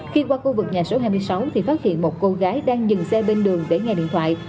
khi qua khu vực nhà số hai mươi sáu thì phát hiện một cô gái đang dừng xe bên đường để nghe điện thoại